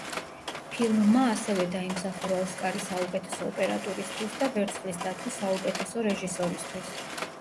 ფილმმა ასევე დაიმსახურა ოსკარი საუკეთესო ოპერატურისთვის და ვერცხლის დათვი საუკეთესო რეჟისორისთვის.